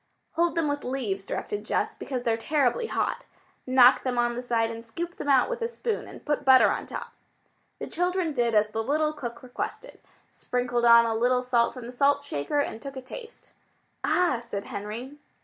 "Hold them with leaves," directed Jess, "because they're terribly hot. Knock them on the side and scoop them out with a spoon and put butter on top." The children did as the little cook requested, sprinkled on a little salt from the salt shaker, and took a taste. "Ah!" said Henry.